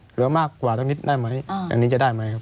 เหลือมากกว่าสักนิดได้ไหมอันนี้จะได้ไหมครับ